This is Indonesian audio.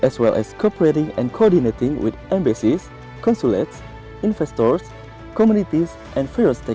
serta berkoordinasi dengan embasis konsulat investor komunitas dan pelanggan besar